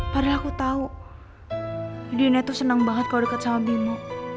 padahal aku tau dina tuh seneng banget kalo deket sama bimo